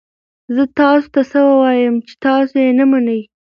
زه تاسو ته څه ووایم چې تاسو یې نه منئ؟